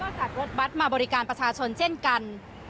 จากรถบัตรมาบริการประชาชนเช่นกัน